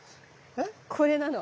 これなの！